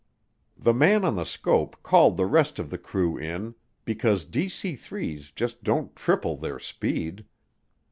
The man on the scope called the rest of the crew in because DC 3's just don't triple their speed.